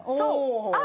あ！